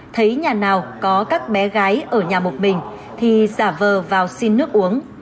thấy nhà nào có các bé gái ở nhà một mình thì giả vờ vào xin nước uống